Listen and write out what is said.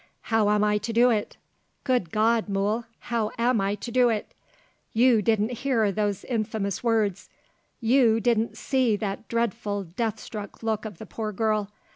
"How am I to do it? Good God! Mool, how am I to do it? You didn't hear those infamous words. You didn't see that dreadful death struck look of the poor girl.